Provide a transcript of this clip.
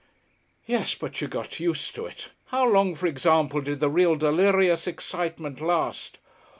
"Yes. But you got used to it. How long, for example, did the real delirious excitement last?"